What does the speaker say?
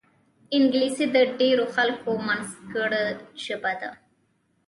انګلیسي د ډېرو خلکو منځګړې ژبه ده